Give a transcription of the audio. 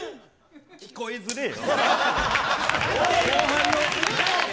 聞こえづれぇよ。